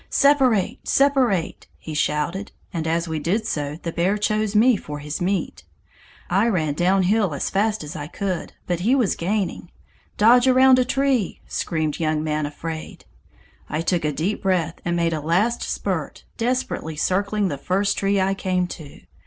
'Separate! separate!' he shouted, and as we did so, the bear chose me for his meat. I ran downhill as fast as I could, but he was gaining. 'Dodge around a tree!' screamed Young Man Afraid. I took a deep breath and made a last spurt, desperately circling the first tree I came to.